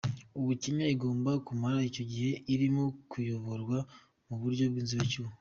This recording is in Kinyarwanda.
Ubu Kenya igomba kumara icyo gihe irimo kuyoborwa mu buryo bw’inzibacyuho.